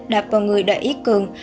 đạp vào người đại úy cường